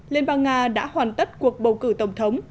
liên bang nga đã hoàn tất cuộc bầu cử tổng thống